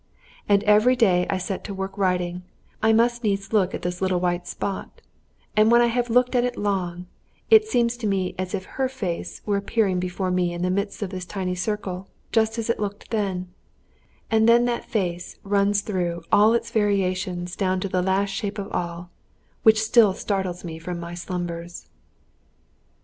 And every day I set to work writing, I must needs look at this little white spot, and when I have looked at it long, it seems to me as if her face were appearing before me in the midst of this tiny circle just as it looked then; and then that face runs through all its variations down to that last shape of all, which still startles me from my slumbers.